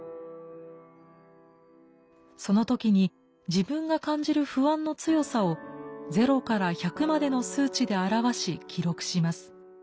その時に自分が感じる不安の強さを０から１００までの数値で表し記録します。